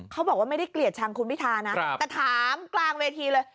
เขาบอกว่าไม่ได้เกลียดชังคุณพิธานะแต่ถามกลางเวทีเลย